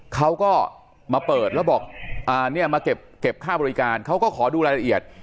เขาก็มาเปิดแล้วบอกเนี่ยมาเก็บค่าบริการเขาก็ขอดูรายละเอียด